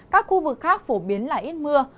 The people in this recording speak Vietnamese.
các khu vực khác phổ biến là ít mưa